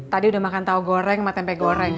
tadi udah makan tahu goreng sama tempe goreng